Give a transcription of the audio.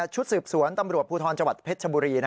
ชุดสืบสวนตำรวจภูทรจังหวัดเพชรชบุรี